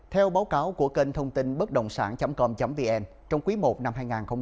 theo báo cáo của kênh thông tin bất động sản com vn trong quý i năm hai nghìn hai mươi bốn